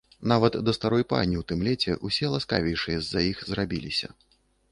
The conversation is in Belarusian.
Нават да старой пані ў тым леце ўсе ласкавейшыя з-за іх зрабіліся.